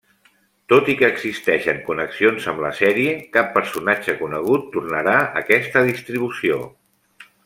Tot i que existeixen connexions amb la sèrie, cap personatge conegut tornarà aquesta distribució.